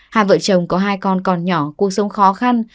hai vợ chồng có hai con còn nhỏ cuộc sống khó khăn